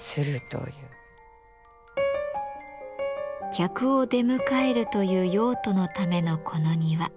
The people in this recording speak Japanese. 客を出迎えるという用途のためのこの庭。